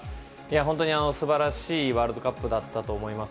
本当にすばらしいワールドカップだったと思います。